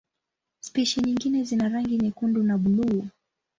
Spishi nyingine zina rangi nyekundu na buluu.